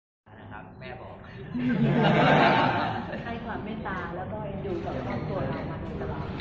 ขอบคุณจังใจเลยค่ะเพราะว่าในยามนี้นี่คือขนาดหนึ่งขอบคุณเลยค่ะสามารถเป็นข้อประทับใจมาก